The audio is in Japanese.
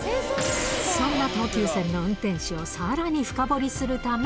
そんな東急線の運転手をさらに深掘りするため。